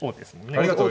ありがとう。